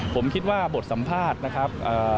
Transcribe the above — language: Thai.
ผมคิดว่าบทสัมภาษณ์นะครับ